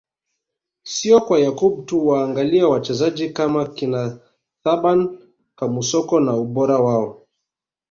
Sio kwa Yakub tu waangalie wachezaji kama kina Thaban Kamusoko na ubora wao